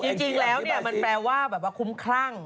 จริงแล้วมันแปลว่าแบบว่าคลุ้มครั่ง